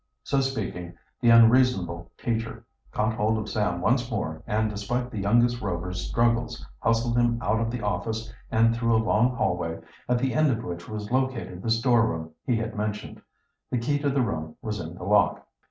So speaking, the unreasonable teacher caught hold of Sam once more, and despite the youngest Rover's struggles hustled him out of the office and through a long hallway, at the end of which was located the storeroom he had mentioned. The key to the room was in the lock.